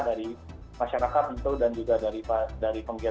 dari masyarakat tentu dan juga dari penggiat kereta